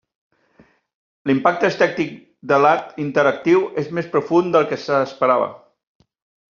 L'impacte estètic de l'art interactiu és més profund del que s'esperava.